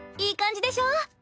いい感じでしょ？